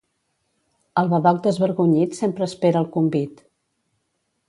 El badoc desvergonyit sempre espera el convit.